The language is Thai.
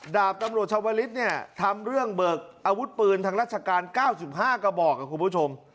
ดาบตำรวจชาวลิศเนี่ยทำเรื่องเบิกอาวุธปืนทางราชการ๙๕กระบอกครับคุณผู้ชม